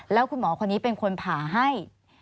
แล้วคุณหมอคนนี้เป็นคนผ่าให้